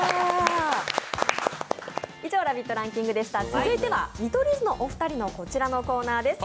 続いては見取り図のお二人のこちらのコーナーです。